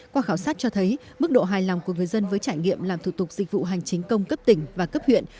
qua khảo sát cho thấy mức độ hài lòng của người dân với trải nghiệm làm thủ tục dịch vụ hành chính công cấp tỉnh và cấp huyện